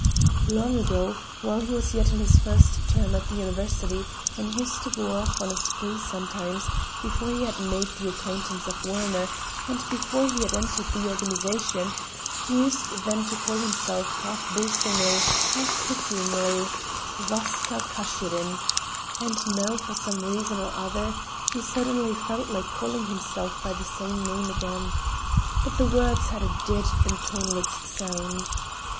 "Long ago, while he was yet in his first term at the university and used to go off on a spree sometimes, before he had made the acquaintance of Werner and before he had entered the organization, he used then to call himself half boastingly, half pityingly, "Vaska Kashirin,"—and now for some reason or other he suddenly felt like calling himself by the same name again. But the words had a dead and toneless sound.